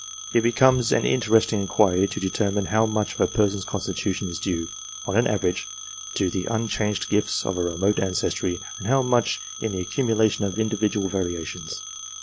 It becomes an interesting inquiry to determine how much of a person's constitution is due, on an average, to the unchanged gifts of a remote ancestry, and how much to the accumulation of individual variations.